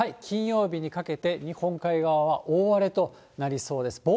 金曜日にかけて日本海側は大荒れとなりそうです。